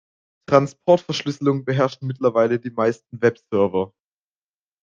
Transportverschlüsselung beherrschen mittlerweile die meisten Webserver.